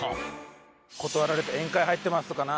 断られて宴会入ってますとかな。